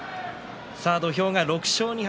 土俵が６勝２敗